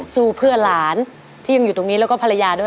สู้เพื่อหลานที่ยังอยู่ตรงนี้แล้วก็ภรรยาด้วย